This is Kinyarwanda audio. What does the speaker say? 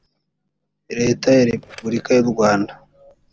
leta ya repubulika y’u rwanda